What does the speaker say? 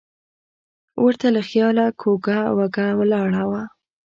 ور ته له خیاله کوږه وږه ولاړه وه.